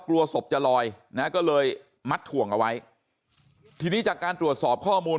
กลัวศพจะลอยนะก็เลยมัดถ่วงเอาไว้ทีนี้จากการตรวจสอบข้อมูล